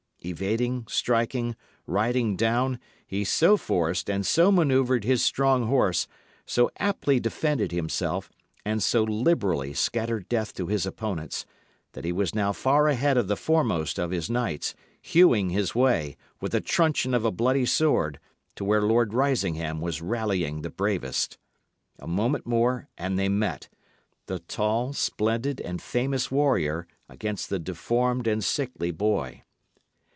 Evading, striking, riding down, he so forced and so manoeuvred his strong horse, so aptly defended himself, and so liberally scattered death to his opponents, that he was now far ahead of the foremost of his knights, hewing his way, with the truncheon of a bloody sword, to where Lord Risingham was rallying the bravest. A moment more and they had met; the tall, splendid, and famous warrior against the deformed and sickly boy.